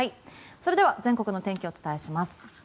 それでは全国の天気をお伝えします。